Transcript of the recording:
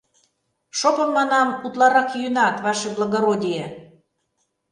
— Шопым, манам, утларак йӱынат, ваше благородие...